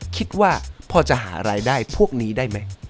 คิดว่าพอจะหารายได้พวกนี้ได้ไหม